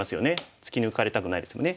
突き抜かれたくないですよね。